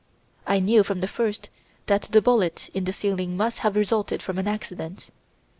I knew from the first that the bullet in the ceiling must have resulted from an accident.